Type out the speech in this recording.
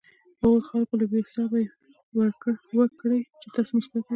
د هغه خلکو له حسابه یې وکړئ چې تاته موسکا کوي.